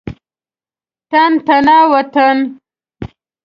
تن تنا وطن.